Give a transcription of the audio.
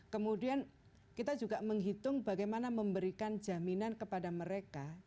kemudian kita juga menghitung bagaimana memberikan jaminan kepada mereka